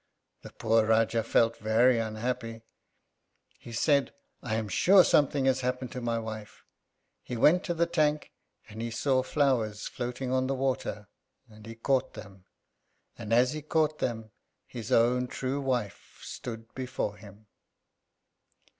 The poor Rájá felt very unhappy. He said, "I am sure something has happened to my wife." He went to the tank, and he saw flowers floating on the water and he caught them, and as he caught them his own true wife stood before him.